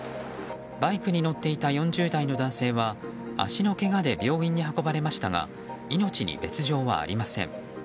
バイクに乗っていた４０代の男性は足のけがで病院に運ばれましたが命に別条はありません。